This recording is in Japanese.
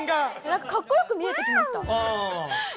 何かかっこよく見えてきました。